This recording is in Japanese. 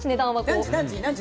何時？